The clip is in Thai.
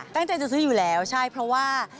ตั้งใจจะซื้ออยู่แล้วใช่เพราะว่า